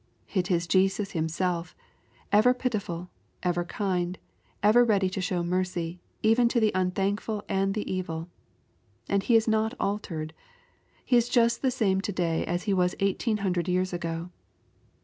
It is Jesus Himself, ever pitiful, ever kind, ever ready to show mercy, even to the unthankful and the evil. And He is not altered. He is just the same to day as He was eighteen hundred years ago.